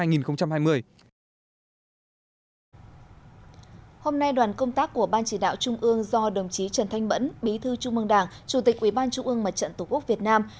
hôm nay đoàn công tác của ban chỉ đạo trung ương do đồng chí trần thanh mẫn bí thư trung mương đảng chủ tịch ủy ban trung ương mặt trận tổ quốc việt nam